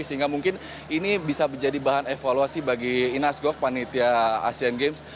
sehingga mungkin ini bisa menjadi bahan evaluasi bagi inas gok panitia asian games